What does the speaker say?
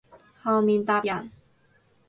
後面搭人